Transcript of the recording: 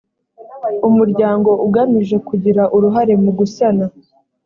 umuryango ugamije kugira uruhare mu gusana